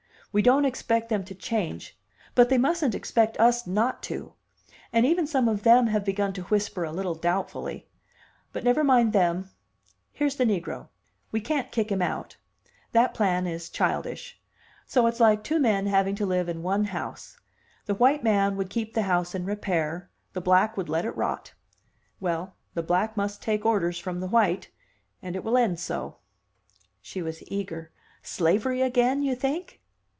We don't expect them to change, but they mustn't expect us not to. And even some of them have begun to whisper a little doubtfully. But never mind them here's the negro. We can't kick him out. That plan is childish. So, it's like two men having to live in one house. The white man would keep the house in repair, the black would let it rot. Well, the black must take orders from the white. And it will end so." She was eager. "Slavery again, you think?"